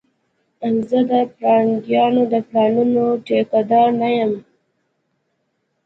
زه د پرنګيانو د پلانونو ټيکه دار نه یم